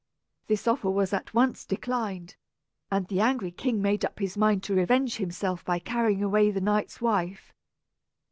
This offer was at once declined, and the angry king made up his mind to revenge himself by carrying away the knight's wife.